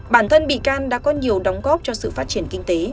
bản thân bị can đã có nhiều đóng góp cho sự phát triển kinh tế